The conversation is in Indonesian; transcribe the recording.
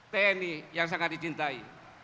tni yang sangat dicintai